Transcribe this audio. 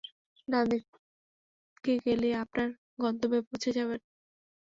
ডানদিকে গেলেই আপনার গন্তব্যে পৌঁছে যাবেন।